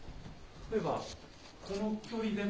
例えば、この距離でも？